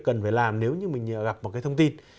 cần phải làm nếu như mình gặp một cái thông tin